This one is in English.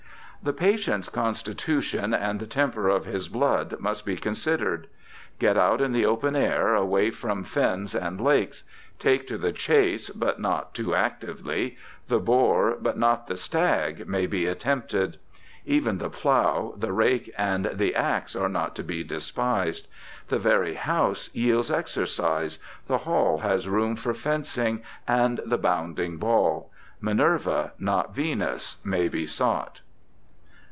The patient's constitution and the temper of his blood must be considered. Get out in the open air, away from fens and lakes ; take to the chase, but not FRACASTORIUS 291 too actively ; the boar but not the stag may be at tempted. Even the plough, the rake, and the axe are not to be despised. The very house yields exercise, the hall has room for fencing and the bounding ball. Minerva, not Venus, may be sought.